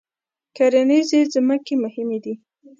کرنیزې ځمکې مهمې دي.